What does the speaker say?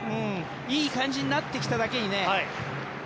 いい感じになってきただけにね。